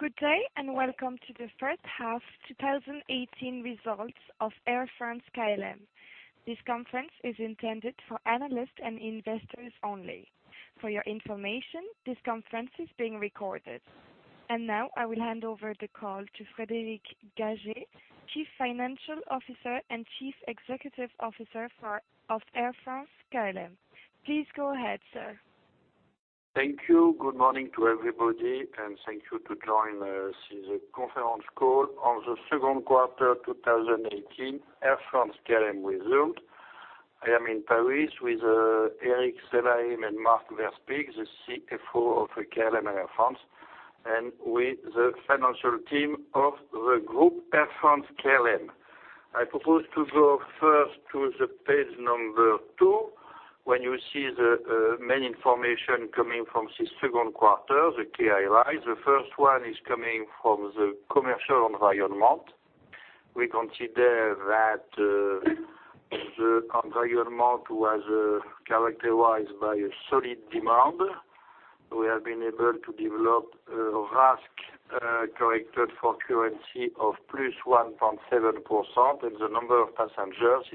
Good day, welcome to the first half 2018 results of Air France-KLM. This conference is intended for analysts and investors only. For your information, this conference is being recorded. Now, I will hand over the call to Frédéric Gagey, Chief Financial Officer and Chief Executive Officer of Air France-KLM. Please go ahead, sir. Thank you. Good morning to everybody, thank you to join us in the conference call on the second quarter 2018 Air France-KLM result. I am in Paris with Erik Swelheim and Marc Verspieren, the CFO of Air France-KLM, and with the financial team of the group, Air France-KLM. I propose to go first to page 2, when you see the main information coming from this second quarter, the key highlights. The first one is coming from the commercial environment. We consider that the environment was characterized by a solid demand. We have been able to develop a RASK, corrected for currency, of +1.7%, and the number of passengers,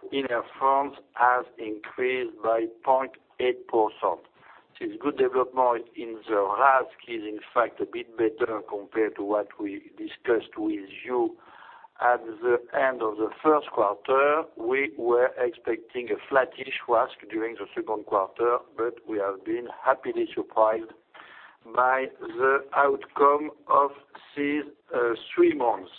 in spite of the strike in Air France, has increased by +0.8%. This good development in the RASK is in fact a bit better compared to what we discussed with you at the end of the first quarter. We were expecting a flattish RASK during the second quarter, we have been happily surprised by the outcome of these three months.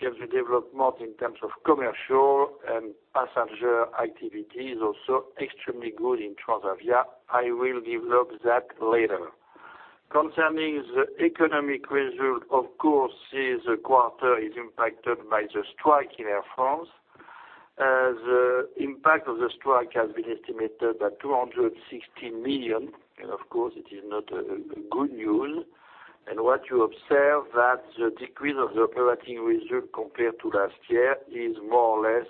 The RASK and the development in terms of commercial and passenger activity is also extremely good in Transavia. I will develop that later. Concerning the economic result, of course, this quarter is impacted by the strike in Air France. The impact of the strike has been estimated at 260 million, of course, it is not good news. What you observe that the decrease of the operating result compared to last year is more or less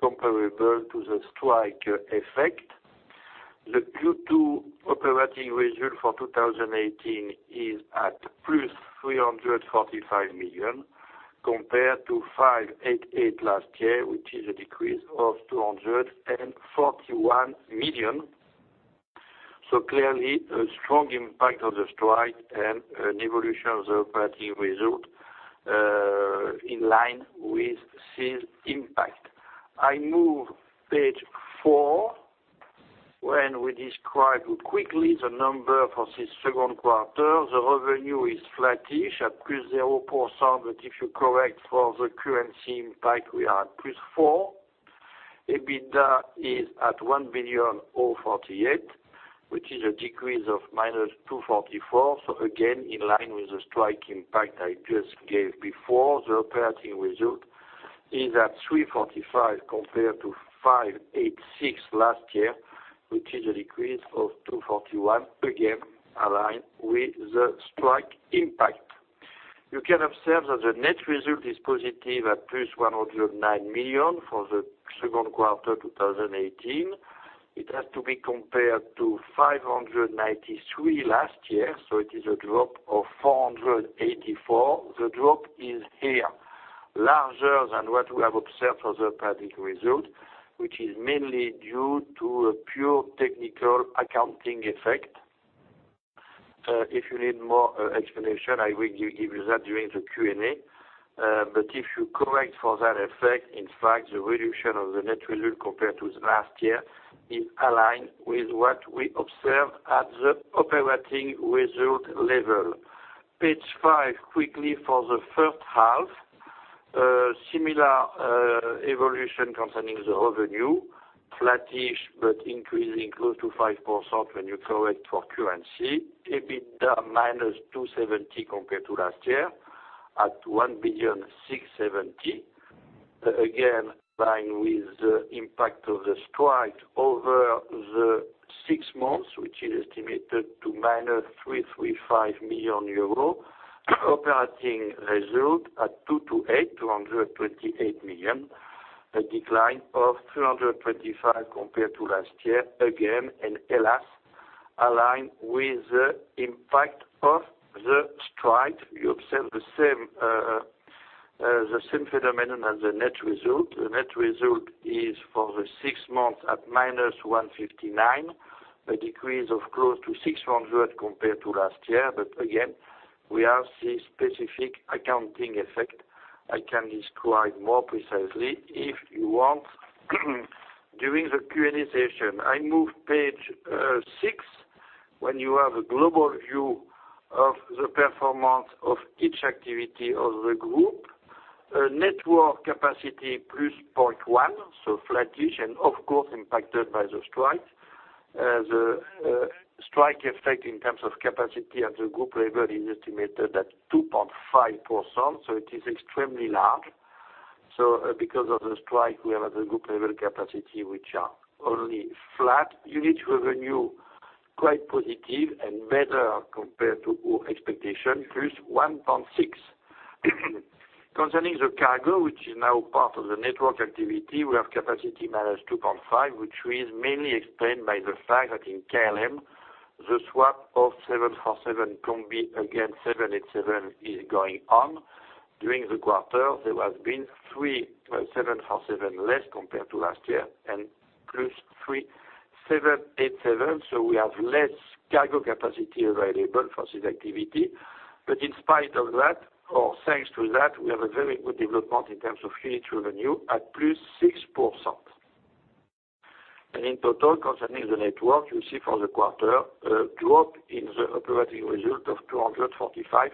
comparable to the strike effect. The Q2 operating result for 2018 is at 345 million, compared to 588 million last year, which is a decrease of 241 million. Clearly, a strong impact of the strike and an evolution of the operating result in line with this impact. I move page 4, when we describe quickly the number for this second quarter. The revenue is flattish at +0%, if you correct for the currency impact, we are at +4%. EBITDA is at 1,048 million, which is a decrease of 244 million. Again, in line with the strike impact I just gave before. The operating result is at 345 million compared to 586 million last year, which is a decrease of 241 million, again, aligned with the strike impact. You can observe that the net result is positive at 109 million for the second quarter 2018. It has to be compared to 593 last year, it is a drop of 484. The drop is here larger than what we have observed for the operating result, which is mainly due to a pure technical accounting effect. If you need more explanation, I will give you that during the Q&A. If you correct for that effect, in fact, the reduction of the net result compared to last year is aligned with what we observed at the operating result level. Page five, quickly for the first half. Similar evolution concerning the revenue, flattish but increasing close to 5% when you correct for currency. EBITDA, -270 compared to last year, at 1,670 million. Again, aligned with the impact of the strike over the six months, which is estimated to -335 million euro. Operating result at 228 million, a decline of 325 compared to last year. Again, alas, aligned with the impact of the strike. You observe the same phenomenon as the net result. The net result is for the six months at -159, a decrease of close to 600 compared to last year. Again, we have this specific accounting effect I can describe more precisely if you want during the Q&A session. I move page six, when you have a global view of the performance of each activity of the group. Network capacity, +0.1, flattish and of course impacted by the strike. The strike effect in terms of capacity at the group level is estimated at 2.5%, it is extremely large. Because of the strike, we have at the group level capacity which are only flat. Unit revenue, quite positive and better compared to our expectation, +1.6. Concerning the cargo, which is now part of the network activity, we have capacity -2.5, which is mainly explained by the fact that in KLM, the swap of Boeing 747 Combi against Boeing 787 is going on. During the quarter, there has been 3 Boeing 747 less compared to last year and +3 Boeing 787, we have less cargo capacity available for this activity. In spite of that, or thanks to that, we have a very good development in terms of unit revenue at +6%. In total, concerning the network, you see for the quarter, a drop in the operating result of 245.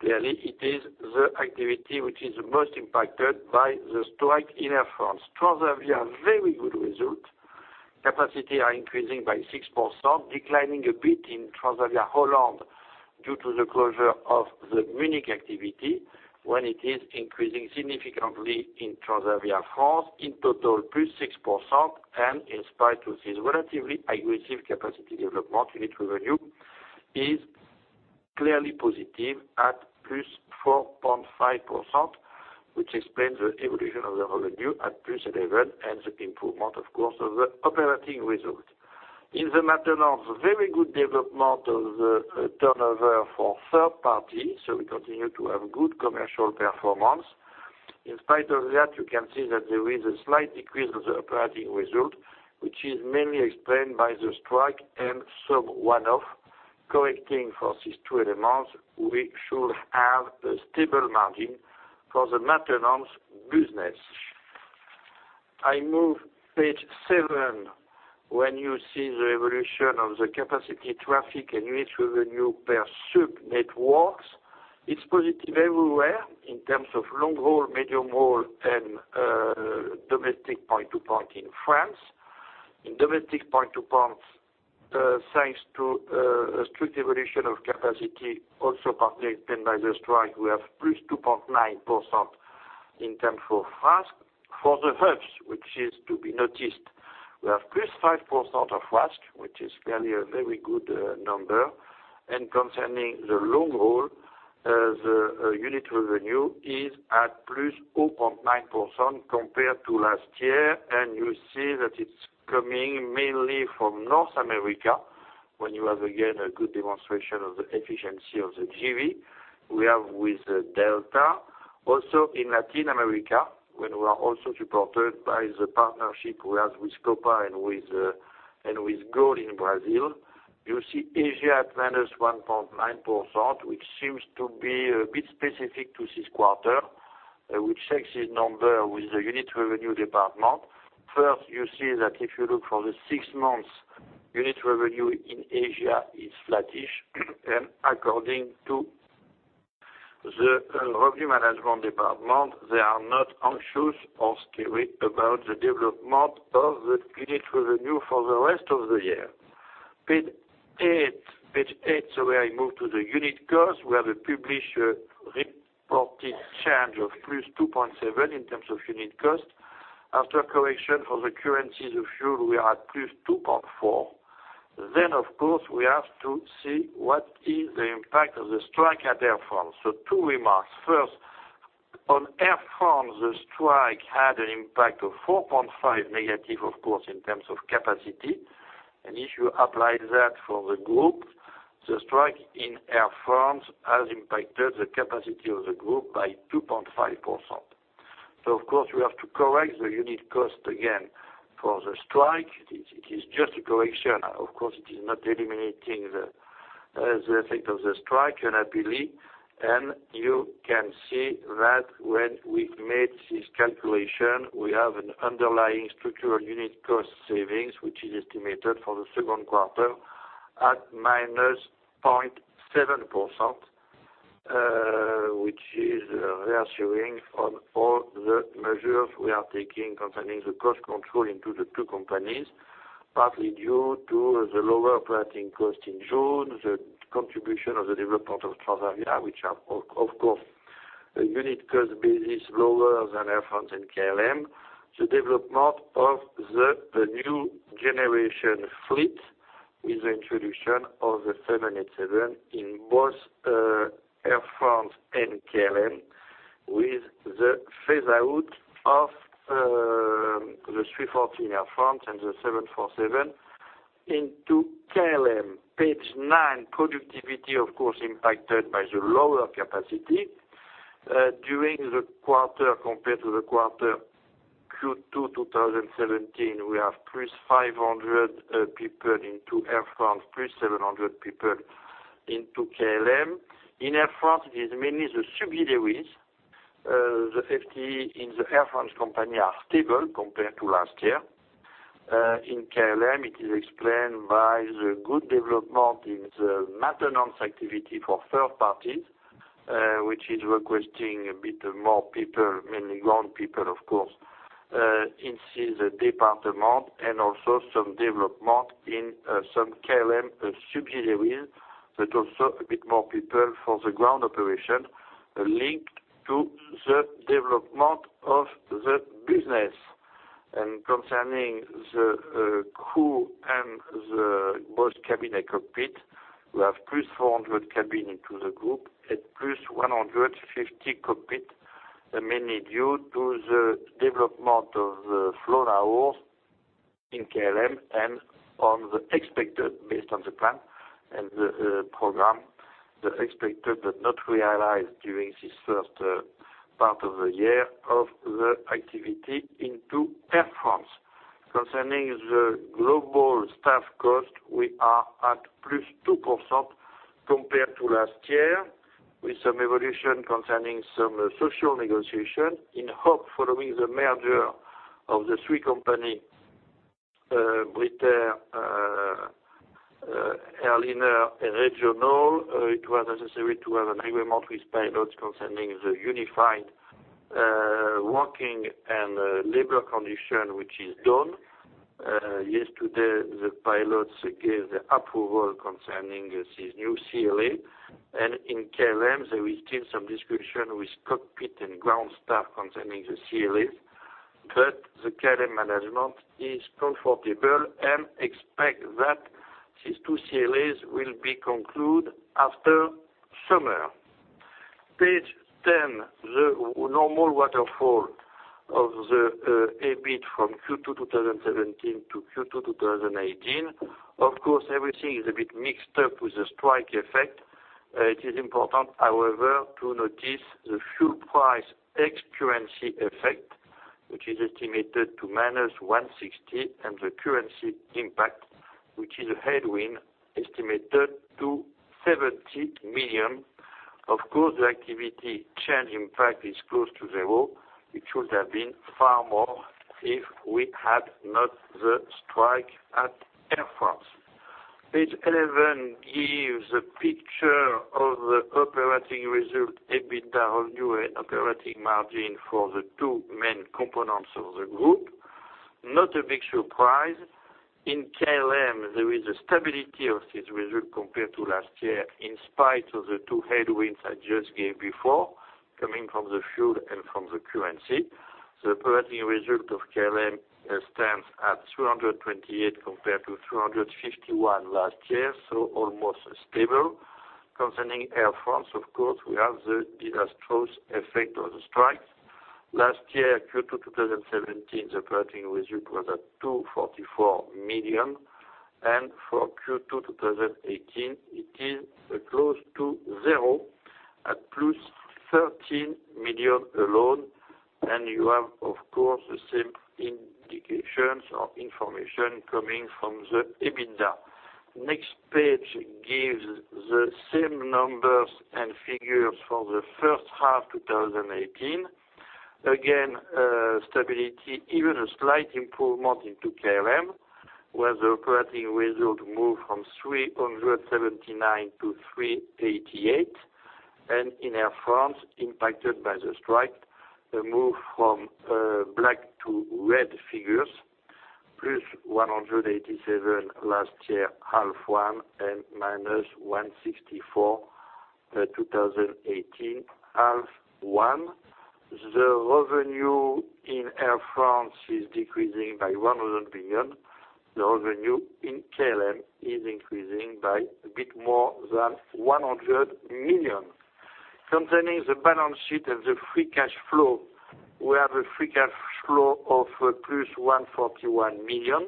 Clearly, it is the activity which is the most impacted by the strike in Air France. Transavia, very good result. Capacity are increasing by 6%, declining a bit in Transavia Holland due to the closure of the Munich activity, when it is increasing significantly in Transavia France. In total, +6%, in spite of this relatively aggressive capacity development, unit revenue is clearly positive at +4.5%, which explains the evolution of the revenue at +11%, the improvement, of course, of the operating result. In the maintenance, very good development of the turnover for third party, we continue to have good commercial performance. In spite of that, you can see that there is a slight decrease of the operating result, which is mainly explained by the strike and some one-off. Correcting for these two elements, we should have a stable margin for the maintenance business. I move page seven, when you see the evolution of the capacity traffic and unit revenue per sub networks. It's positive everywhere in terms of long haul, medium haul, and domestic point to point in France. In domestic point to points, thanks to a strict evolution of capacity, also partly explained by the strike, we have plus 2.9% in terms of RASK. For the hubs, which is to be noticed, we have plus 5% of RASK, which is clearly a very good number. Concerning the long haul, the unit revenue is at plus 0.9% compared to last year. You see that it's coming mainly from North America, when you have, again, a good demonstration of the efficiency of the JV we have with Delta. In Latin America, when we are also supported by the partnership we have with Copa and with GOL in Brazil. You see Asia at minus 1.9%, which seems to be a bit specific to this quarter. We checked this number with the unit revenue department. You see that if you look for the six months, unit revenue in Asia is flattish, and according to the revenue management department, they are not anxious or scared about the development of the unit revenue for the rest of the year. Page nine, where I move to the unit cost. We have a published reported change of plus 2.7 in terms of unit cost. After correction for the currency, the fuel, we are at plus 2.4. Of course, we have to see what is the impact of the strike at Air France. Two remarks. First, on Air France, the strike had an impact of 4.5 negative, of course, in terms of capacity. If you apply that for the group, the strike in Air France has impacted the capacity of the group by 2.5%. Of course, we have to correct the unit cost again for the strike. It is just a correction. Of course, it is not eliminating the effect of the strike, unhappily. You can see that when we made this calculation, we have an underlying structural unit cost savings, which is estimated for the second quarter at minus 0.7%, which is reassuring on all the measures we are taking concerning the cost control into the two companies, partly due to the lower operating cost in June, the contribution of the development of Transavia, which are, of course, a unit cost basis lower than Air France and KLM. The development of the new generation fleet with the introduction of the 787 in both Air France and KLM, with the phase out of the 340 Air France and the 747 into KLM. Page nine, productivity, of course, impacted by the lower capacity. During the quarter compared to the quarter Q2 2017, we have plus 500 people into Air France, plus 700 people into KLM. In Air France, it is mainly the subsidiaries. The FTE in the Air France company are stable compared to last year. In KLM, it is explained by the good development in the maintenance activity for third parties, which is requesting a bit more people, mainly ground people, of course, in this department, and also some development in some KLM subsidiaries, but also a bit more people for the ground operation linked to the development of the business. Concerning the crew and both cabin and cockpit, we have plus 400 cabin into the group, and plus 150 cockpit. Mainly due to the development of the in KLM, on the expected, based on the plan and the program, the expected but not realized during this first part of the year of the activity into Air France. Concerning the global staff cost, we are at +2% compared to last year, with some evolution concerning some social negotiation. In HOP!, following the merger of the three company, Brit Air, Airlinair, and Régional, it was necessary to have an agreement with pilots concerning the unified working and labor condition, which is done. Yesterday, the pilots gave the approval concerning this new CLA. In KLM, there is still some discussion with cockpit and ground staff concerning the CLAs, but the KLM management is comfortable and expect that these two CLAs will be concluded after summer. Page 10. The normal waterfall of the EBIT from Q2 2017 to Q2 2018. Of course, everything is a bit mixed up with the strike effect. It is important, however, to notice the fuel price ex-currency effect, which is estimated to -160, and the currency impact, which is a headwind estimated to 70 million. Of course, the activity change impact is close to zero. It should have been far more if we had not the strike at Air France. Page 11 gives a picture of the operating result, EBITDA, revenue, and operating margin for the two main components of the group. Not a big surprise. In KLM, there is a stability of this result compared to last year, in spite of the two headwinds I just gave before, coming from the fuel and from the currency. The operating result of KLM stands at 328 compared to 351 last year, so almost stable. Concerning Air France, of course, we have the disastrous effect of the strike. Last year, Q2 2017, the operating result was at 244 million. For Q2 2018, it is close to zero, at +13 million alone. You have, of course, the same indications or information coming from the EBITDA. Next page gives the same numbers and figures for the first half 2018. Again, stability, even a slight improvement into KLM, where the operating result moved from 379 to 388. In Air France, impacted by the strike, a move from black to red figures, +187 last year half one, and -164, 2018, half one. The revenue in Air France is decreasing by 100 million. The revenue in KLM is increasing by a bit more than 100 million. Concerning the balance sheet and the free cash flow, we have a free cash flow of +141 million.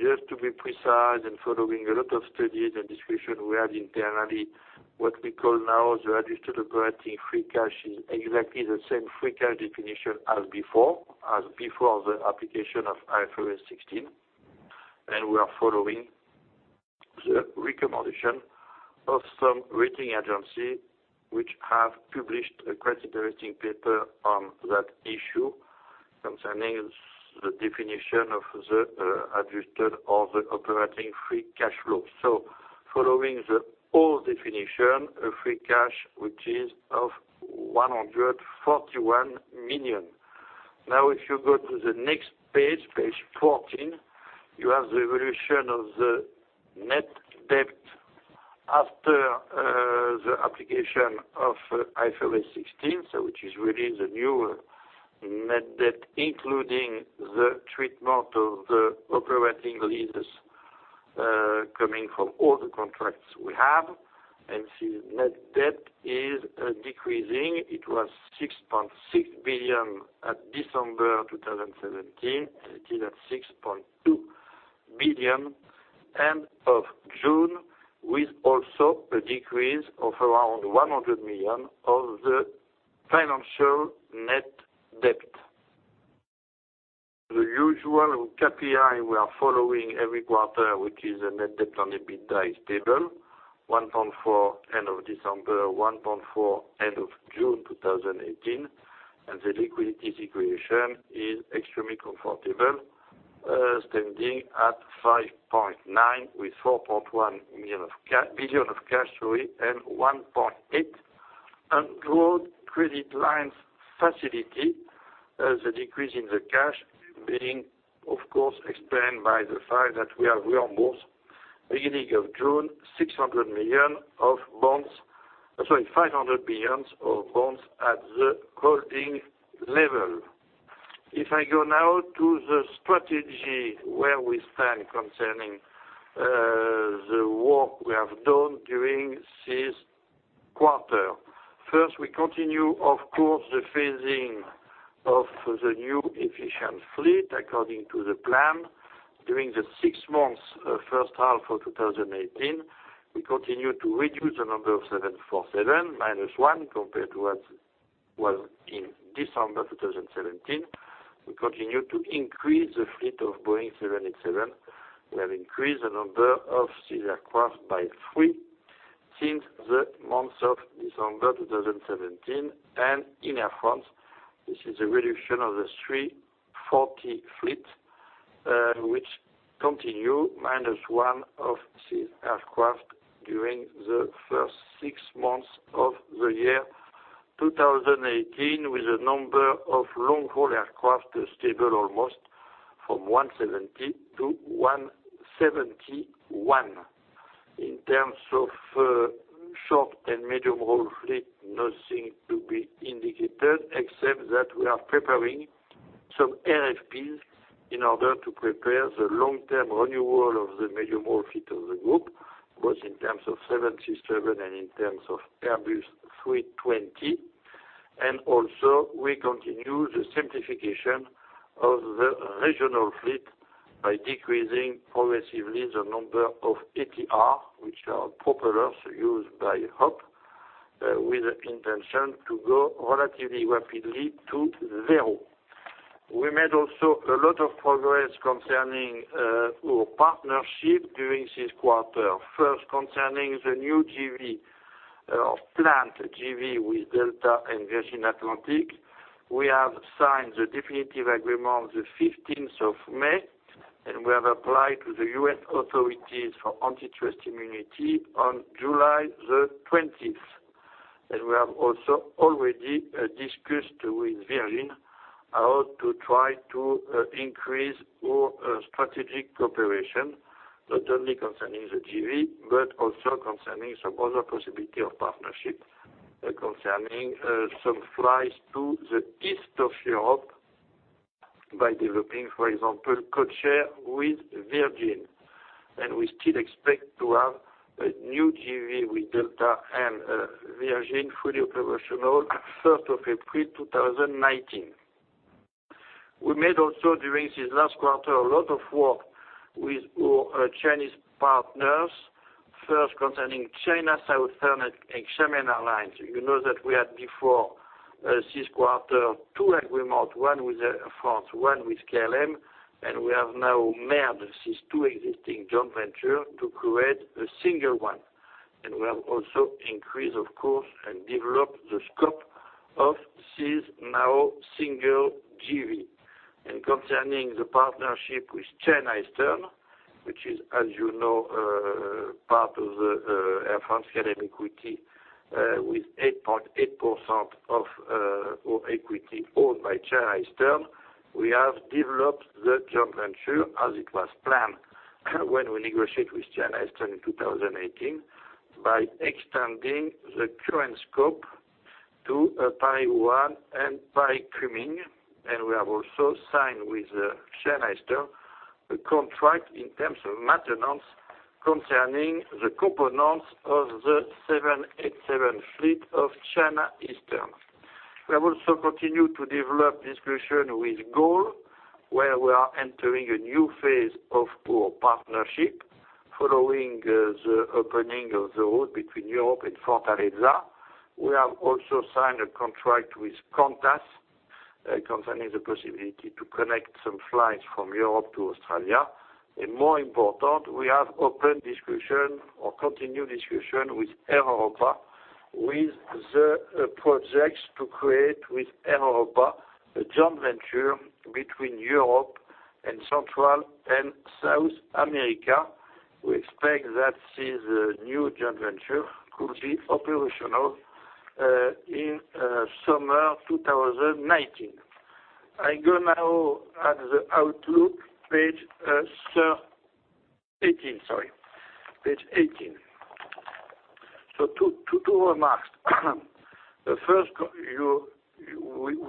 Just to be precise, following a lot of studies and discussion we had internally, what we call now the adjusted operating free cash is exactly the same free cash definition as before the application of IFRS 16. We are following the recommendation of some rating agency which have published a credit rating paper on that issue, concerning the definition of the adjusted of the operating free cash flow. Following the old definition, a free cash which is of 141 million. If you go to the next page 14, you have the evolution of the net debt after the application of IFRS 16. Which is really the new net debt, including the treatment of the operating leases coming from all the contracts we have. See, net debt is decreasing. It was 6.6 billion at December 2017. It is at 6.2 billion end of June, with also a decrease of around 100 million of the financial net debt. The usual KPI we are following every quarter, which is a net debt on EBITDA, is stable, 1.4 end of December, 1.4 end of June 2018. The liquidity situation is extremely comfortable, standing at 5.9, with 4.1 billion of cash and 1.8 undrawn credit lines facility. The decrease in the cash being, of course, explained by the fact that we have reimbursed beginning of June, 500 million of bonds at the holding level. If I go now to the strategy where we stand concerning the work we have done during this quarter. First, we continue, of course, the phasing of the new efficient fleet according to the plan. During the six months first half of 2018, we continue to reduce the number of 747, minus one compared to what was in December 2017. We continue to increase the fleet of Boeing 787. We have increased the number of these aircraft by three since the month of December 2017. In Air France, this is a reduction of the 340 fleet, which continues minus one of these aircraft during the first six months of the year 2018, with the number of long-haul aircraft stable almost from 170 to 171. In terms of short and medium-haul fleet, nothing to be indicated except that we are preparing some RFPs in order to prepare the long-term renewal of the medium-haul fleet of the group, both in terms of 737 and in terms of Airbus 320. Also, we continue the simplification of the regional fleet by decreasing progressively the number of ATR, which are propellers used by HOP!, with the intention to go relatively rapidly to zero. We made also a lot of progress concerning our partnership during this quarter. First, concerning the new JV or planned JV with Delta and Virgin Atlantic, we have signed the definitive agreement the 15th of May, and we have applied to the U.S. authorities for antitrust immunity on July the 20th. We have also already discussed with Virgin how to try to increase our strategic cooperation, not only concerning the JV, but also concerning some other possibility of partnership concerning some flights to the east of Europe by developing, for example, codeshare with Virgin. We still expect to have a new JV with Delta and Virgin fully operational 1st of April 2019. We made also during this last quarter, a lot of work with our Chinese partners. First, concerning China Southern and Xiamen Airlines. You know that we had before this quarter two agreements, one with Air France, one with KLM, and we have now merged these two existing joint ventures to create a single one. We have also increased, of course, and developed the scope of this now single JV. Concerning the partnership with China Eastern, which is, as you know, part of the Air France-KLM equity with 8.8% of our equity owned by China Eastern. We have developed the joint venture as it was planned when we negotiate with China Eastern in 2018, by extending the current scope to Paris, Wuhan, and by Kunming. We have also signed with China Eastern a contract in terms of maintenance concerning the components of the 787 fleet of China Eastern. We have also continued to develop discussion with GOL, where we are entering a new phase of our partnership following the opening of the route between Europe and Fortaleza. We have also signed a contract with Qantas concerning the possibility to connect some flights from Europe to Australia. More important, we have opened discussion or continued discussion with Air Europa, with the projects to create with Air Europa a joint venture between Europe and Central and South America. We expect that this new joint venture could be operational in summer 2019. I go now at the outlook, page 18. Two remarks. The first,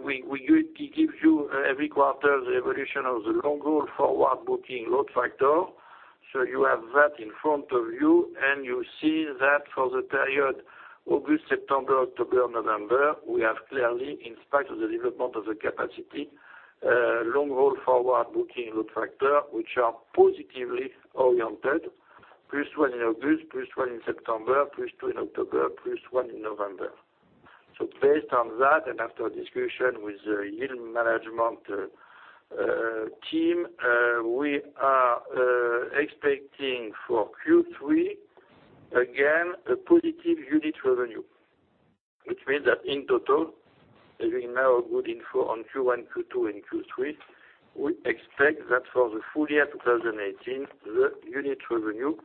we give you every quarter the evolution of the long-haul forward booking load factor. You have that in front of you see that for the period August, September, October, November, we have clearly, in spite of the development of the capacity, long-haul forward booking load factor, which are positively oriented, plus one in August, plus one in September, plus two in October, plus one in November. Based on that, after discussion with the yield management team, we are expecting for Q3, again, a positive unit revenue, which means that in total, having now good info on Q1, Q2, and Q3, we expect that for the full year 2018, the unit revenue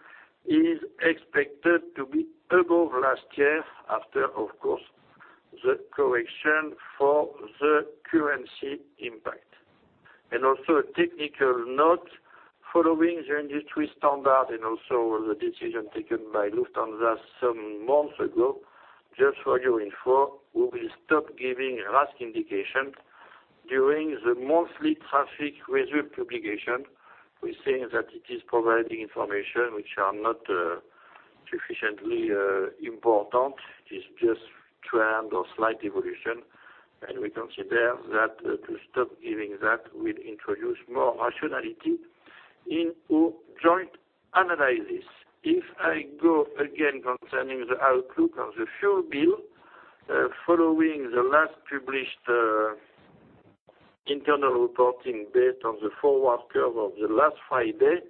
is expected to be above last year after, of course, the correction for the currency impact. Also, a technical note following the industry standard and also the decision taken by Lufthansa some months ago. Just for your info, we will stop giving RASK indication during the monthly traffic result publication. We think that it is providing information which are not sufficiently important. It is just trend or slight evolution, we consider that to stop giving that will introduce more rationality into joint analysis. If I go again concerning the outlook on the fuel bill, following the last published internal reporting date on the forward curve of the last Friday,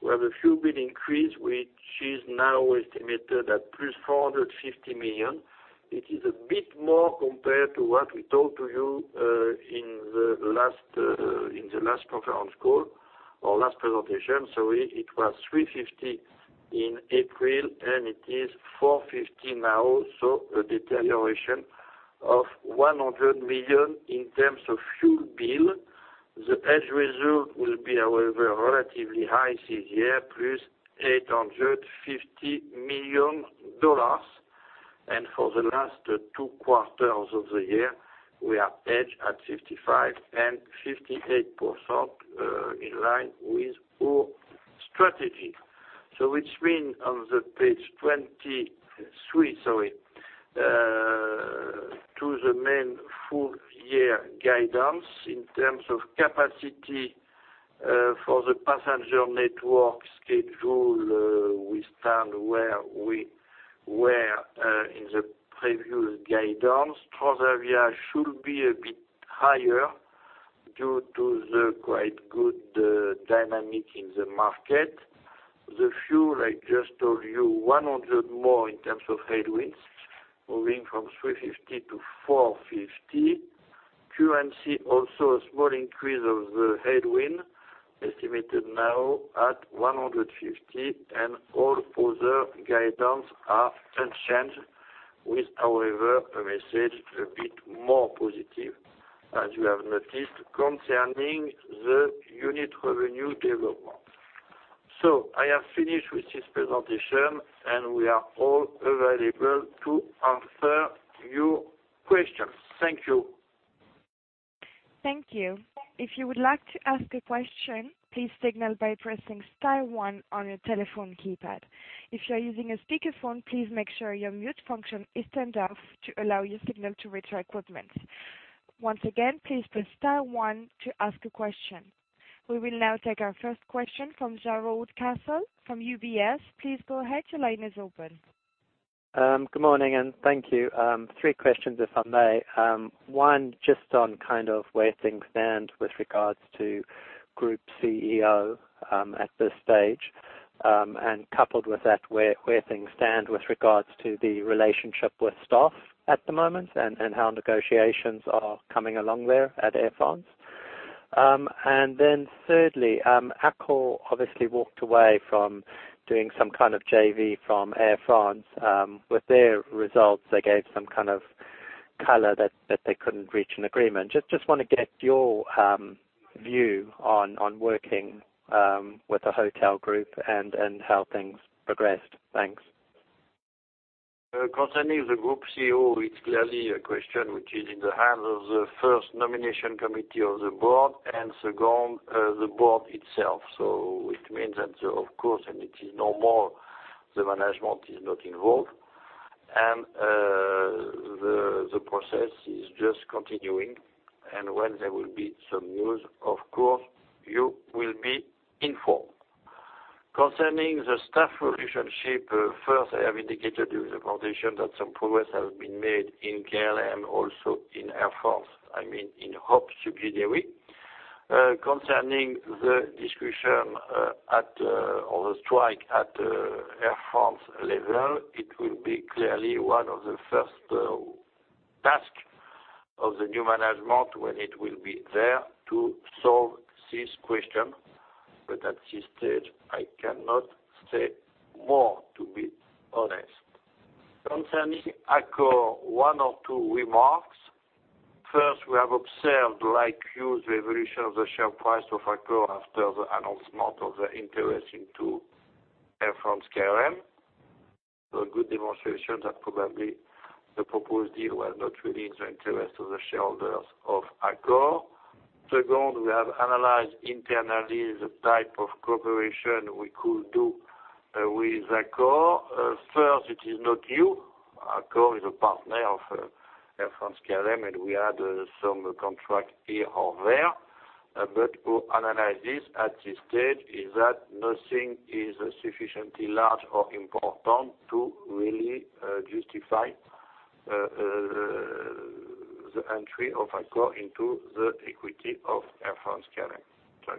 we have a fuel bill increase, which is now estimated at plus 450 million. It is a bit more compared to what we told you in the last conference call, or last presentation, sorry. It was 350 in April, it is 450 now, so a deterioration of 100 million in terms of fuel bill. The hedge result will be, however, relatively high this year, plus $850 million. For the last two quarters of the year, we are hedged at 55% and 58% in line with our strategy. Which means on page 23, to the main full-year guidance in terms of capacity for the passenger network schedule, we stand where we were in the previous guidance. Traffic should be a bit higher due to the quite good dynamic in the market. The fuel, I just told you, 100 more in terms of headwinds, moving from 350 to 450. Currency, also, a small increase of the headwind, estimated now at 150, all other guidance are unchanged with, however, a message a bit more positive, as you have noticed, concerning the unit revenue development. I have finished with this presentation, we are all available to answer your questions. Thank you. Thank you. If you would like to ask a question, please signal by pressing star one on your telephone keypad. If you are using a speakerphone, please make sure your mute function is turned off to allow your signal to reach our equipment. Once again, please press star one to ask a question. We will now take our first question from Jarrod Castle from UBS. Please go ahead. Your line is open. Good morning, thank you. Three questions, if I may. One, just on kind of where things stand with regards to Group CEO at this stage. Coupled with that, where things stand with regards to the relationship with staff at the moment and how negotiations are coming along there at Air France. Then thirdly, Accor obviously walked away from doing some kind of JV from Air France. With their results, they gave some kind of color that they couldn't reach an agreement. Just want to get your view on working with the hotel group and how things progressed. Thanks. Concerning the Group CEO, it's clearly a question which is in the hands of the first nomination committee of the board, and second, the board itself. It means that, of course, and it is normal, the management is not involved. The process is just continuing, and when there will be some news, of course, you will be informed. Concerning the staff relationship, first, I have indicated during the presentation that some progress has been made in KLM, also in Air France, I mean, in HOP! subsidiary. Concerning the discussion of the strike at Air France level, it will be clearly one of the first tasks of the new management when it will be there to solve this question. At this stage, I cannot say more, to be honest. Concerning Accor, one or two remarks. First, we have observed, like you, the evolution of the share price of Accor after the announcement of the interest into Air France-KLM. A good demonstration that probably the proposed deal was not really in the interest of the shareholders of Accor. Second, we have analyzed internally the type of cooperation we could do with Accor. First, it is not new. Accor is a partner of Air France-KLM, and we had some contract here or there. Our analysis at this stage is that nothing is sufficiently large or important to really justify the entry of Accor into the equity of Air France-KLM.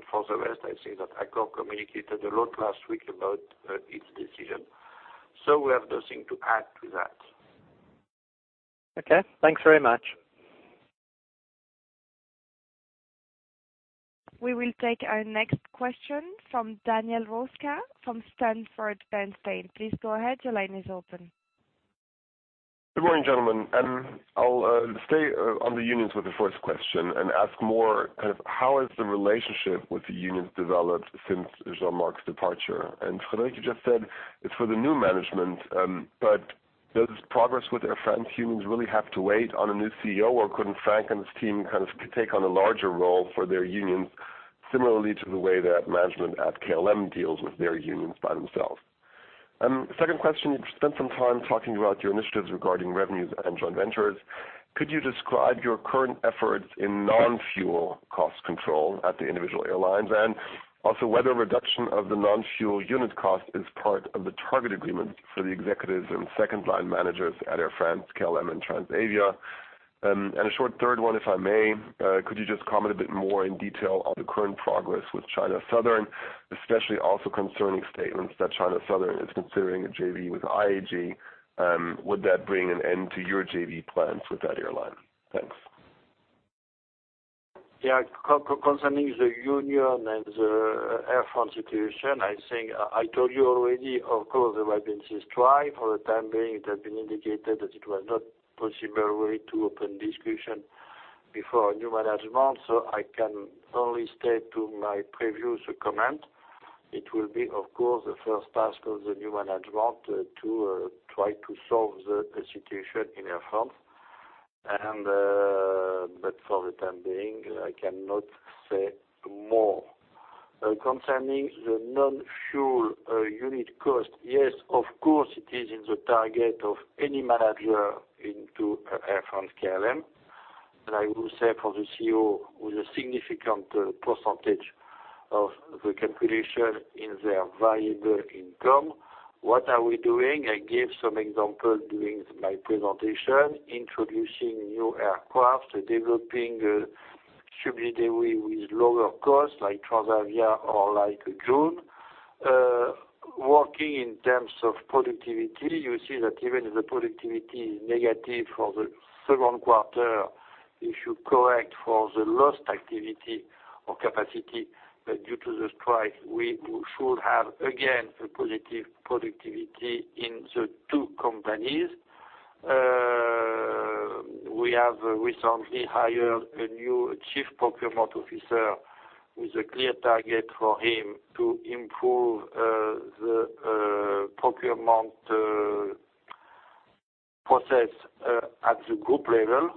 For the rest, I think that Accor communicated a lot last week about its decision. We have nothing to add to that. Okay. Thanks very much. We will take our next question from Daniel Roeska from Sanford Bernstein. Please go ahead. Your line is open. Good morning, gentlemen. I'll stay on the unions with the first question and ask more kind of how has the relationship with the unions developed since Jean-Marc's departure? Frédéric, you just said it's for the new management, but does progress with Air France unions really have to wait on a new CEO, or couldn't Franck and his team kind of take on a larger role for their unions, similarly to the way that management at KLM deals with their unions by themselves? Second question, you've spent some time talking about your initiatives regarding revenues and joint ventures. Could you describe your current efforts in non-fuel cost control at the individual airlines, and also whether reduction of the non-fuel unit cost is part of the target agreement for the executives and second-line managers at Air France, KLM, and Transavia? A short third one, if I may. Could you just comment a bit more in detail on the current progress with China Southern, especially also concerning statements that China Southern is considering a JV with IAG? Would that bring an end to your JV plans with that airline? Thanks. Concerning the union and the Air France situation, I think I told you already, of course, there have been strikes. For the time being, it has been indicated that it was not possible, really, to open discussion before a new management. I can only state to my previous comment. It will be, of course, the first task of the new management to try to solve the situation in Air France. For the time being, I cannot say more. Concerning the non-fuel unit cost, yes, of course, it is in the target of any manager into Air France-KLM. I will say for the CEO, with a significant percentage of the calculation in their variable income. What are we doing? I gave some example during my presentation, introducing new aircraft, developing subsidiary with lower cost, like Transavia or like Joon. Working in terms of productivity, you see that even if the productivity is negative for the second quarter, if you correct for the lost activity or capacity due to the strike, we should have, again, a positive productivity in the two companies. We have recently hired a new chief procurement officer with a clear target for him to improve the procurement process at the group level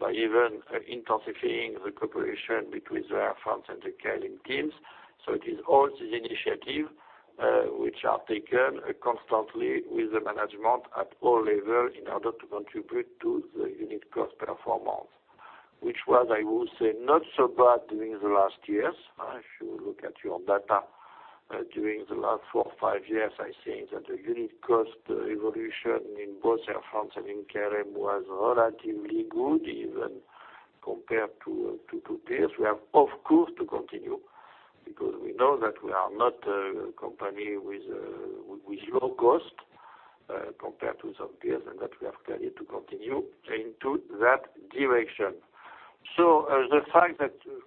by even intensifying the cooperation between the Air France and the KLM teams. It is all these initiatives which are taken constantly with the management at all levels in order to contribute to the unit cost performance, which was, I would say, not so bad during the last years. If you look at your data during the last four or five years, I think that the unit cost evolution in both Air France and in KLM was relatively good, even compared to peers. We have, of course, to continue, because we know that we are not a company with low cost compared to some peers, and that we have clearly to continue into that direction.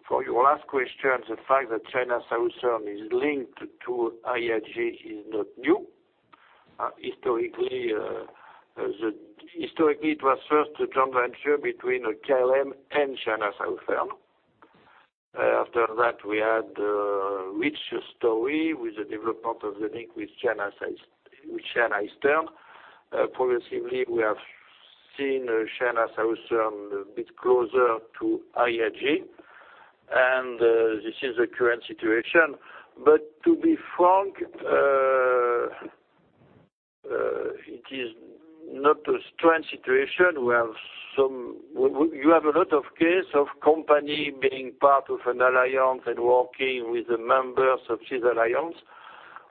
For your last question, the fact that China Southern is linked to IAG is not new. Historically, it was first a joint venture between KLM and China Southern. After that, we had a rich story with the development of the link with China Eastern. Progressively, we have seen China Southern a bit closer to IAG, and this is the current situation. To be frank, it is not a strange situation. You have a lot of case of company being part of an alliance and working with the members of this alliance,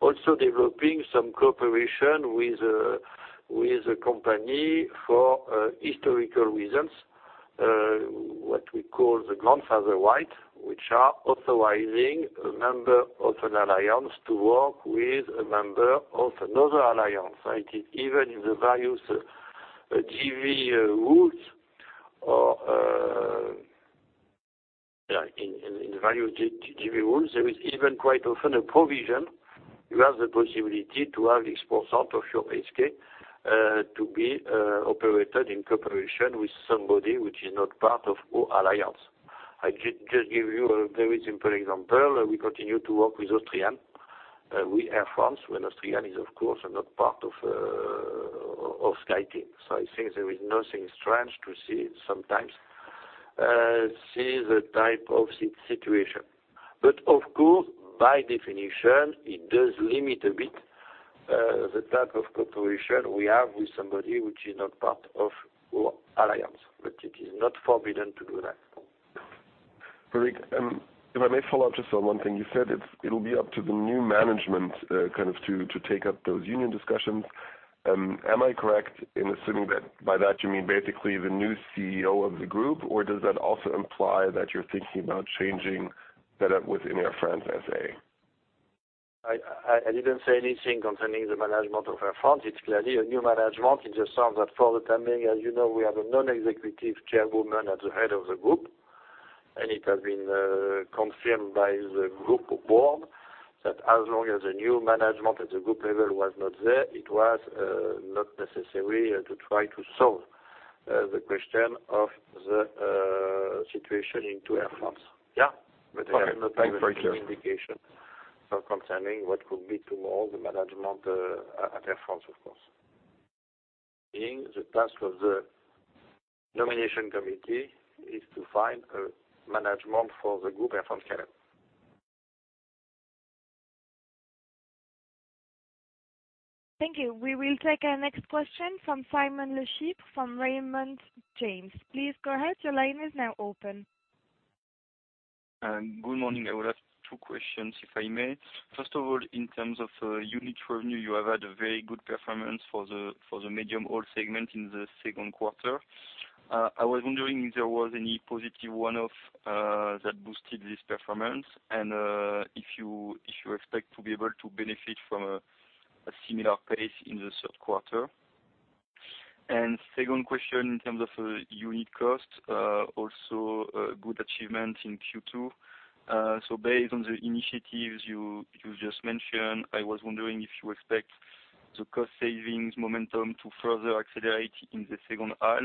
also developing some cooperation with a company for historical reasons, what we call the grandfather right, which are authorizing a member of an alliance to work with a member of another alliance. Even in the various JV rules, there is even quite often a provision. You have the possibility to have X% of your HQ to be operated in cooperation with somebody which is not part of all alliance. I just give you a very simple example. We continue to work with Austrian. We, Air France, when Austrian is, of course, not part of SkyTeam. I think there is nothing strange to see sometimes see the type of situation. By definition, it does limit a bit the type of cooperation we have with somebody which is not part of our alliance, but it is not forbidden to do that. Frédéric, if I may follow up just on one thing you said, it'll be up to the new management to take up those union discussions. Am I correct in assuming that by that you mean basically the new CEO of the group, or does that also imply that you're thinking about changing that up within Air France S.A.? I didn't say anything concerning the management of Air France. It's clearly a new management. It's just some that for the time being, as you know, we have a non-executive chairwoman at the head of the group. It has been confirmed by the group board that as long as the new management at the group level was not there, it was not necessary to try to solve the question of the situation into Air France. Yeah. Okay, thank you. I have no clear indication concerning what could be tomorrow the management at Air France, of course. Being the task of the nomination committee is to find management for the group, Air France-KLM. Thank you. We will take our next question from Simon Leopold from Raymond James. Please go ahead. Your line is now open. Good morning. I would have two questions, if I may. First of all, in terms of unit revenue, you have had a very good performance for the medium-haul segment in the second quarter. I was wondering if there was any positive one-off that boosted this performance, and if you expect to be able to benefit from a similar pace in the third quarter. Second question, in terms of unit cost, also a good achievement in Q2. Based on the initiatives you just mentioned, I was wondering if you expect the cost savings momentum to further accelerate in the second half,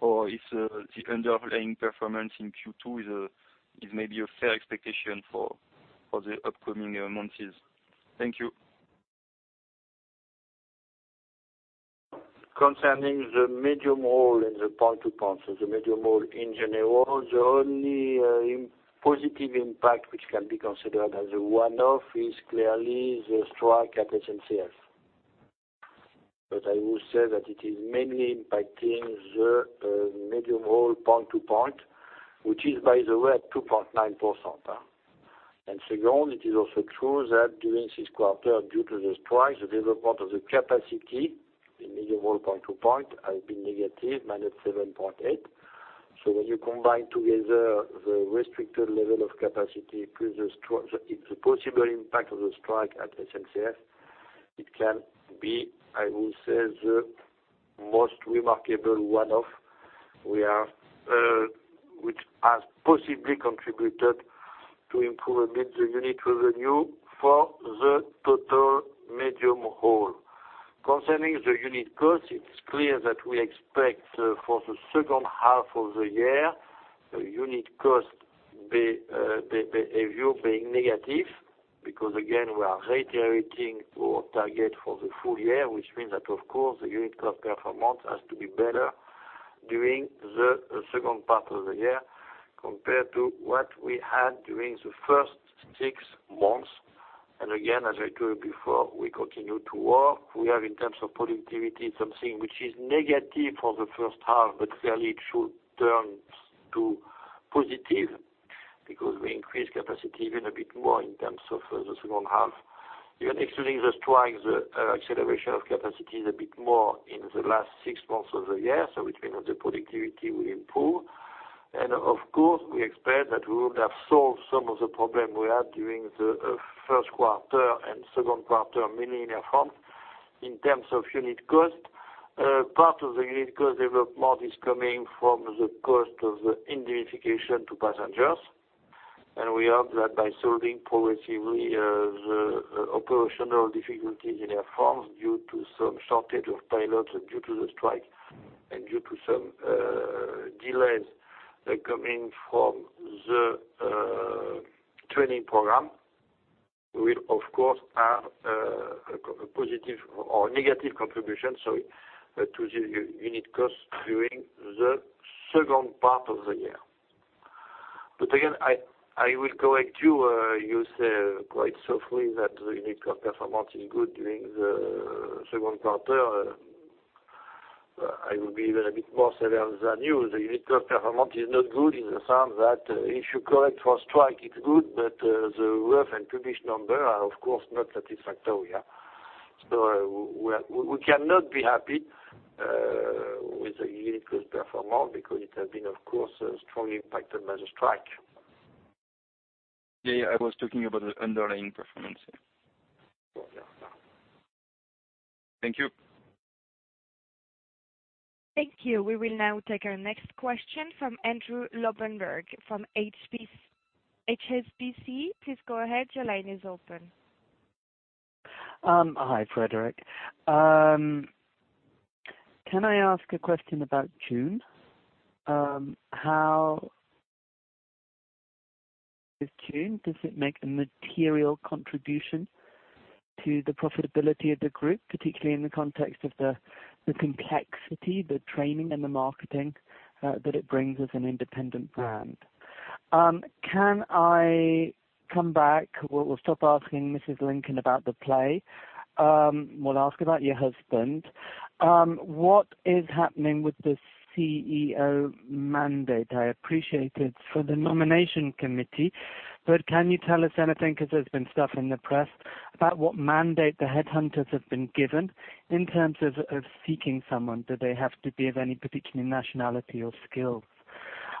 or if the underlying performance in Q2 is maybe a fair expectation for the upcoming months. Thank you. Concerning the medium-haul and the point-to-point, the medium-haul in general, the only positive impact which can be considered as a one-off is clearly the strike at SNCF. I will say that it is mainly impacting the medium-haul point-to-point, which is, by the way, at 2.9%. Second, it is also true that during this quarter, due to the strike, the development of the capacity in medium-haul point-to-point has been negative, minus 7.8%. When you combine together the restricted level of capacity with the possible impact of the strike at SNCF, it can be, I will say, the most remarkable one-off which has possibly contributed to improve a bit the unit revenue for the total medium-haul. Concerning the unit cost, it is clear that we expect for the second half of the year, the unit cost behavior being negative, because again, we are reiterating our target for the full year, which means that of course, the unit cost performance has to be better during the second part of the year compared to what we had during the first six months. Again, as I told you before, we continue to work. We have, in terms of productivity, something which is negative for the first half, clearly, it should turn to positive, because we increase capacity even a bit more in terms of the second half. Even excluding the strike, the acceleration of capacity is a bit more in the last six months of the year, which means that the productivity will improve. Of course, we expect that we would have solved some of the problem we had during the first quarter and second quarter, mainly in Air France, in terms of unit cost. Part of the unit cost development is coming from the cost of the indemnification to passengers. We hope that by solving progressively the operational difficulties in Air France due to some shortage of pilots and due to the strike and due to some delays coming from the training program, will, of course, have a positive or negative contribution, sorry, to the unit cost during the second part of the year. Again, I will correct you. You say quite softly that the unit cost performance is good during the second quarter. I will be even a bit more severe than you. The unit cost performance is not good in the sense that if you correct for strike, it's good, but the rough and published number are, of course, not satisfactory. We cannot be happy with the unit cost performance because it has been, of course, strongly impacted by the strike. Yeah, I was talking about the underlying performance. Okay. Thank you. Thank you. We will now take our next question from Andrew Lobbenberg from HSBC. Please go ahead. Your line is open. Hi, Frédéric. Can I ask a question about Joon? How is Joon? Does it make a material contribution to the profitability of the group, particularly in the context of the complexity, the training, and the marketing that it brings as an independent brand? Can I come back? We'll stop asking Mrs. Lincoln about the play. We'll ask about your husband. What is happening with the CEO mandate? I appreciate it's for the nomination committee, but can you tell us anything, because there's been stuff in the press, about what mandate the headhunters have been given in terms of seeking someone? Do they have to be of any particular nationality or skills?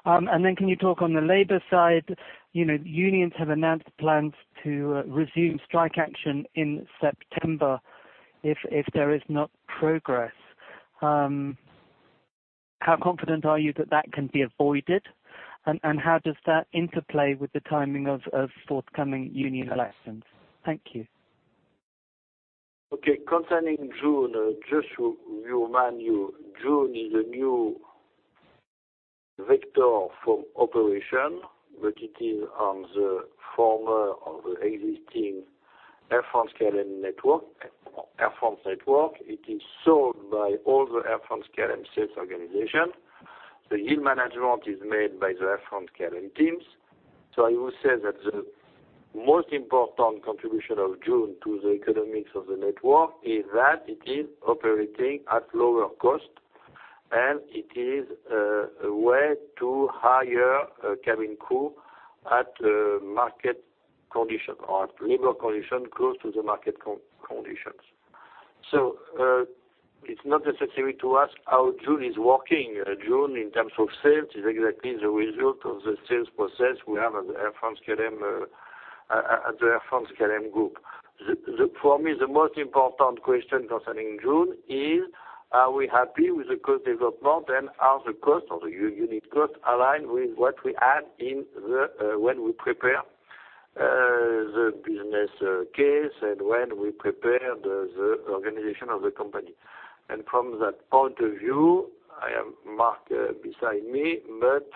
Then can you talk on the labor side, unions have announced plans to resume strike action in September if there is not progress. How confident are you that can be avoided? How does that interplay with the timing of forthcoming union elections? Thank you. Okay, concerning Joon, just to remind you, Joon is a new vector for operation, but it is on the former or the existing Air France network. It is sold by all the Air France-KLM sales organization. The yield management is made by the Air France-KLM teams. I would say that the most important contribution of Joon to the economics of the network is that it is operating at lower cost, and it is a way to hire cabin crew at market condition or at labor condition close to the market conditions. It's not necessary to ask how Joon is working. Joon, in terms of sales, is exactly the result of the sales process we have at the Air France-KLM Group. For me, the most important question concerning Joon is: Are we happy with the cost development, and are the cost or the unit cost aligned with what we had when we prepared the business case and when we prepared the organization of the company. From that point of view, I have Marc beside me, but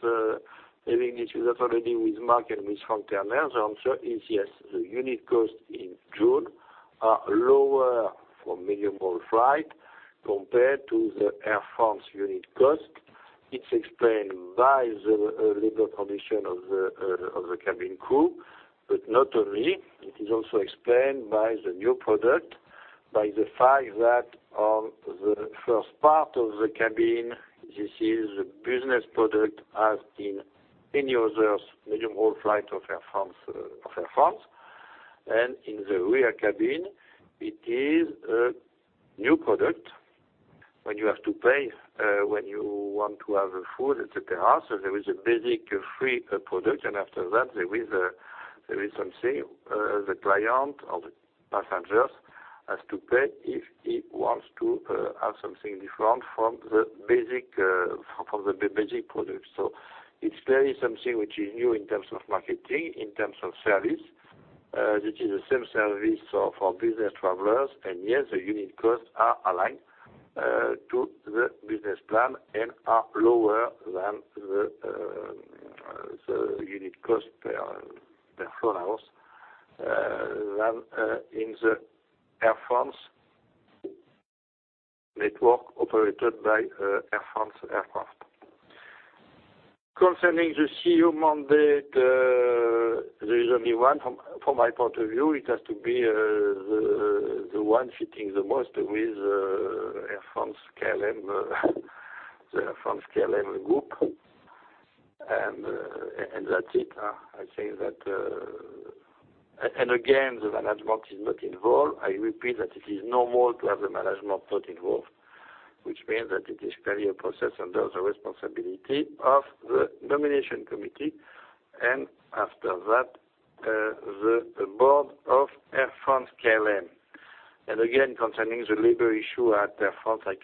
having discussed already with Marc and with Franck Terner, the answer is yes. The unit costs in Joon are lower for medium-haul flight compared to the Air France unit cost. It's explained by the labor condition of the cabin crew. Not only, it is also explained by the new product, by the fact that on the first part of the cabin, this is a business product, as in any other medium-haul flight of Air France. In the rear cabin, it is a new product, when you have to pay when you want to have food, et cetera. There is a basic free product, and after that, there is something the client or the passengers has to pay if he wants to have something different from the basic product. It's clearly something which is new in terms of marketing, in terms of service. This is the same service for business travelers. Yes, the unit costs are aligned to the business plan and are lower than the unit cost per flown hours than in the Air France network operated by Air France aircraft. Concerning the CEO mandate, there is only one, from my point of view, it has to be the one fitting the most with the Air France-KLM group, and that's it. Again, the management is not involved. I repeat that it is normal to have the management not involved, which means that it is clearly a process under the responsibility of the nomination committee, and after that, the board of Air France-KLM. Again, concerning the labor issue at Air France, I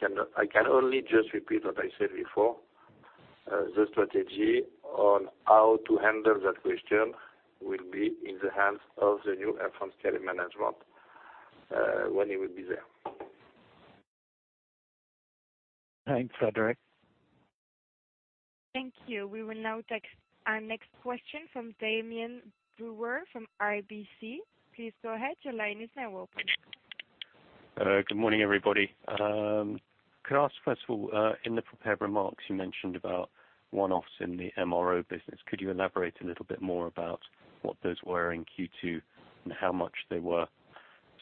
can only just repeat what I said before. The strategy on how to handle that question will be in the hands of the new Air France-KLM management when he will be there. Thanks, Frédéric. Thank you. We will now take our next question from Damian Brewer from RBC. Please go ahead. Your line is now open. Good morning, everybody. Could I ask first of all, in the prepared remarks you mentioned about one-offs in the MRO business. Could you elaborate a little bit more about what those were in Q2 and how much they were?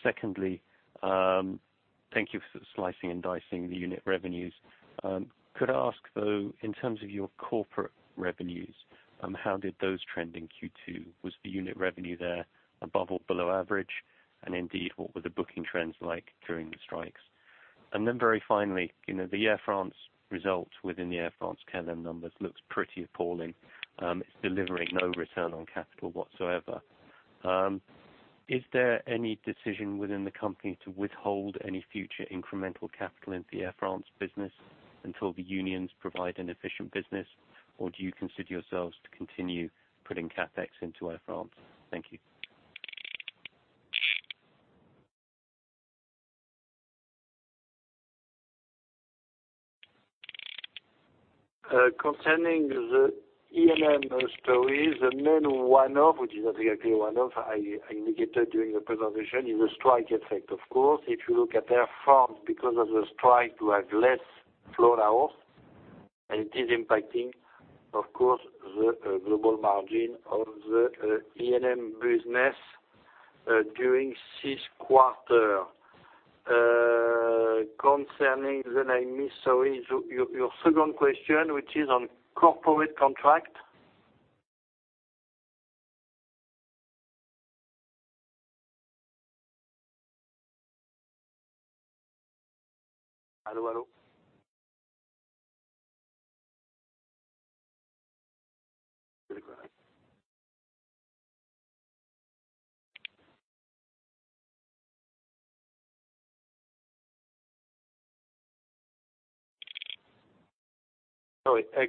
Secondly, thank you for slicing and dicing the unit revenues. In terms of your corporate revenues, how did those trend in Q2? Was the unit revenue there above or below average? Indeed, what were the booking trends like during the strikes? Very finally, the Air France results within the Air France-KLM numbers looks pretty appalling. It's delivering no return on capital whatsoever. Is there any decision within the company to withhold any future incremental capital into the Air France business until the unions provide an efficient business? Do you consider yourselves to continue putting CapEx into Air France? Thank you. Concerning the MRO story, the main one-off, which is exactly one-off, I indicated during the presentation, is the strike effect. Of course, if you look at Air France, because of the strike, we have less flown hours, and it is impacting, of course, the global margin of the MRO business during this quarter. Concerning your second question, which is on corporate contract. Hello? Very well.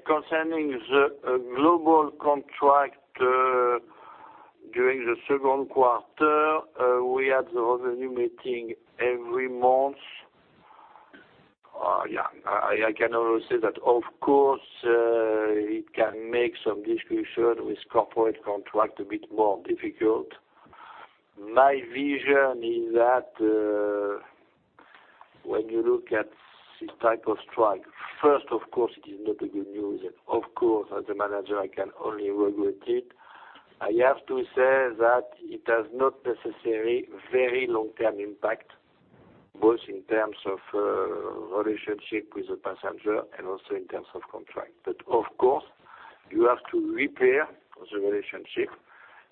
Concerning the global contract, during the second quarter, we had the revenue meeting every month. I can only say that, of course, it can make some discussion with corporate contract a bit more difficult. My vision is that when you look at this type of strike, first, of course, it is not a good news. Of course, as a manager, I can only regret it. I have to say that it has not necessarily very long-term impact, both in terms of relationship with the passenger and also in terms of contract. Of course, you have to repair the relationship,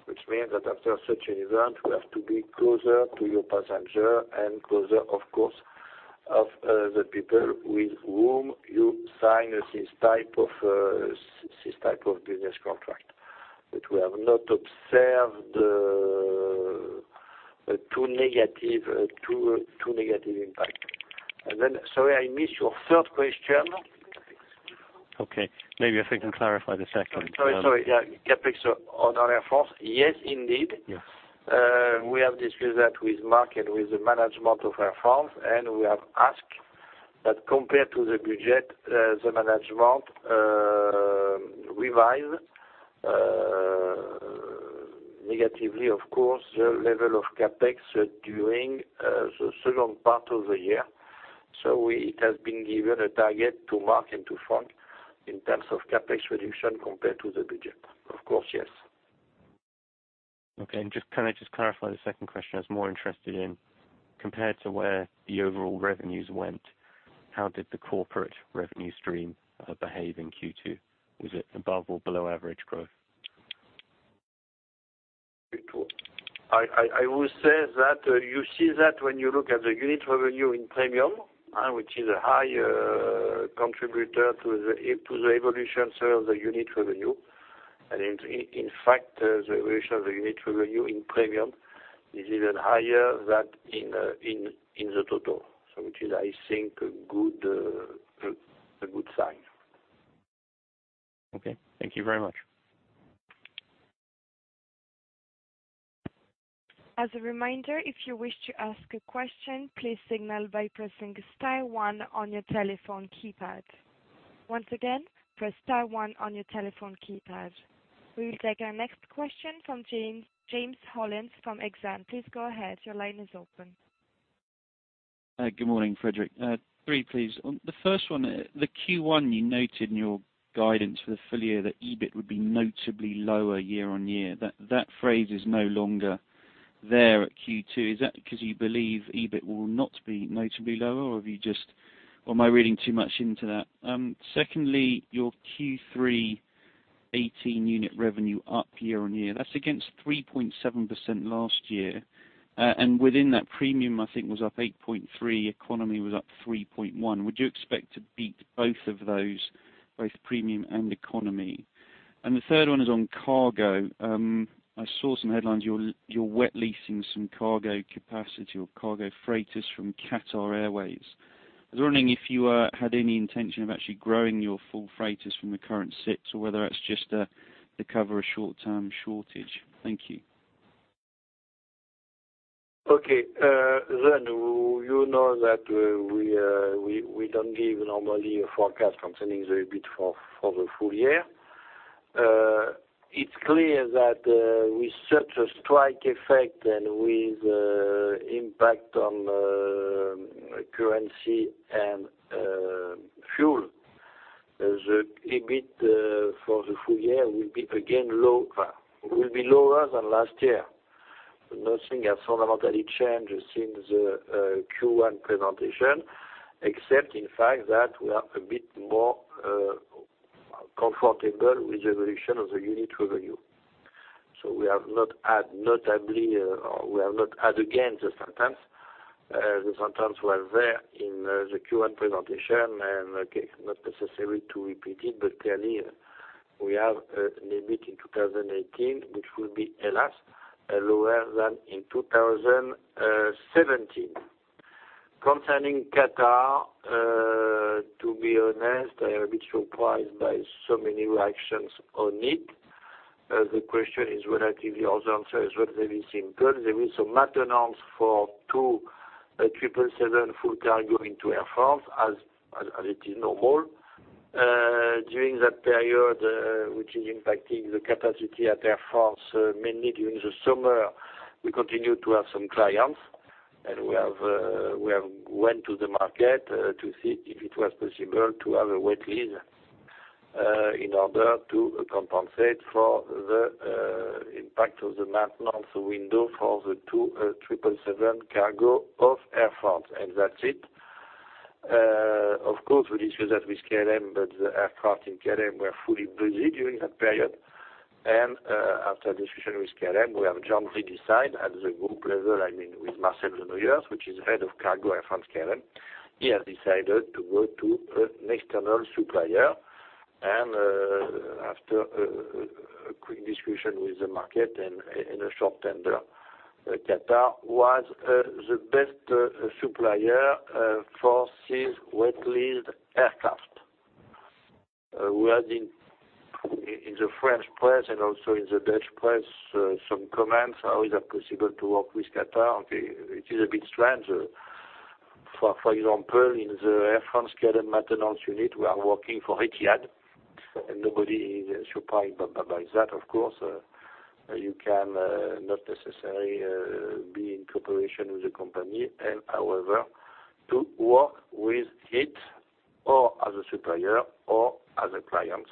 which means that after such an event, you have to be closer to your passenger and closer, of course, of the people with whom you sign this type of business contract. We have not observed a too negative impact. Sorry, I missed your third question. Okay. Maybe if we can clarify the second. Sorry. Yeah. CapEx on Air France. Yes, indeed. Yes. We have discussed that with Marc and with the management of Air France, and we have asked that compared to the budget, the management revise, negatively of course, the level of CapEx during the second part of the year. It has been given a target to Marc and to Franck in terms of CapEx reduction compared to the budget. Of course, yes. Okay. Can I just clarify the second question? I was more interested in, compared to where the overall revenues went, how did the corporate revenue stream behave in Q2? Was it above or below average growth? I would say that you see that when you look at the unit revenue in premium, which is a high contributor to the evolution of the unit revenue. In fact, the evolution of the unit revenue in premium is even higher than in the total. Which is, I think, a good sign. Okay. Thank you very much. As a reminder, if you wish to ask a question, please signal by pressing star one on your telephone keypad. Once again, press star one on your telephone keypad. We will take our next question from James Hollins from Exane. Please go ahead. Your line is open. Good morning, Frédéric. Three, please. On the first one, the Q1, you noted in your guidance for the full year that EBIT would be notably lower year-over-year. That phrase is no longer there at Q2. Is that because you believe EBIT will not be notably lower, or am I reading too much into that? Secondly, your Q3 2018 unit revenue up year-over-year. That's against 3.7% last year. Within that premium, I think, was up 8.3%, economy was up 3.1%. Would you expect to beat both of those, both premium and economy? The third one is on cargo. I saw some headlines, you're wet leasing some cargo capacity or cargo freighters from Qatar Airways. I was wondering if you had any intention of actually growing your full freighters from the current six, or whether that's just to cover a short-term shortage. Thank you. Okay. You know that we don't give normally a forecast concerning the EBIT for the full year. It's clear that with such a strike effect and with impact on currency and fuel, the EBIT for the full year will be lower than last year. Nothing has fundamentally changed since the Q1 presentation, except in fact, that we are a bit more comfortable with the evolution of the unit revenue. We have not had again the sentence. The sentence was there in the Q1 presentation, not necessary to repeat it, but clearly, we have an EBIT in 2018, which will be, alas, lower than in 2017. Concerning Qatar, to be honest, I am a bit surprised by so many reactions on it. The question is relatively, the answer is relatively simple. There is some maintenance for 2 777 full cargo into Air France, as it is normal. During that period, which is impacting the capacity at Air France, mainly during the summer, we continued to have some clients, and we have went to the market to see if it was possible to have a wet lease in order to compensate for the impact of the maintenance window for the 2 777 cargo of Air France. That's it. Of course, we discussed that with KLM, but the aircraft in KLM were fully busy during that period. After discussion with KLM, we have jointly decided at the group level, I mean, with Marcel de Nooijer, which is head of cargo Air France-KLM. He has decided to go to an external supplier. After a quick discussion with the market and a short tender, Qatar was the best supplier for this wet-leased aircraft. We read in the French press and also in the Dutch press some comments, How is that possible to work with Qatar? Okay, it is a bit strange. For example, in the Air France-KLM maintenance unit, we are working for Etihad, and nobody is surprised by that. Of course, you cannot necessarily be in cooperation with a company and however, to work with it or other supplier or other clients.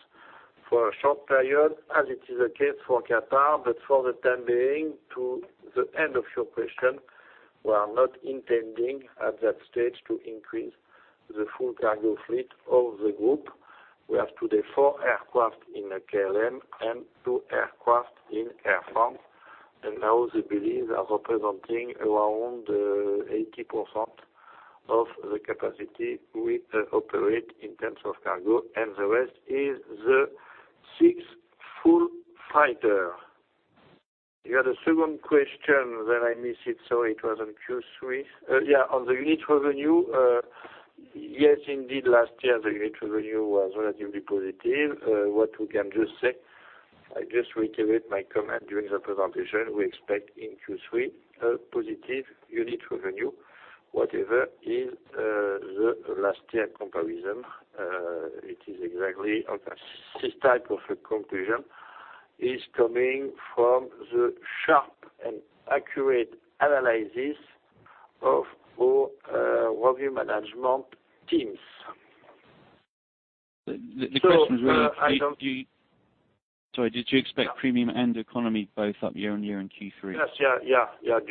For a short period, as it is a case for Qatar, but for the time being, to the end of your question, we are not intending at that stage to increase the full cargo fleet of the group. We have today 4 aircraft in KLM and 2 aircraft in Air France. Now the belly are representing around 80% of the capacity we operate in terms of cargo, and the rest is the 6 full freighter. You had a second question that I missed. It was on Q3. Yes, on the unit revenue, yes, indeed, last year the unit revenue was relatively positive. What we can just say, I just reiterate my comment during the presentation, we expect in Q3 a positive unit revenue, whatever is the last year comparison. It is exactly this type of conclusion is coming from the sharp and accurate analysis of our revenue management teams. The question was really. I don't. Sorry, did you expect premium and economy both up year-on-year in Q3? Yes.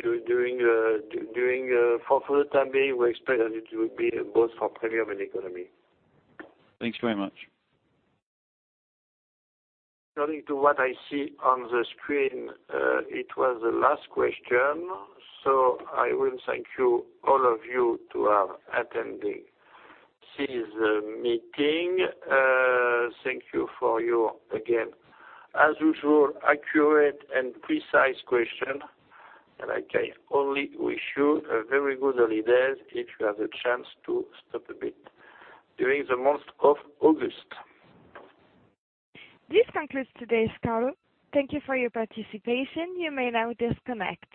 For the time being, we expect that it will be both for premium and economy. Thanks very much. According to what I see on the screen, it was the last question. I will thank all of you to attending this meeting. Thank you for your, again, as usual, accurate and precise question, and I can only wish you a very good holidays if you have a chance to stop a bit during the month of August. This concludes today's call. Thank you for your participation. You may now disconnect.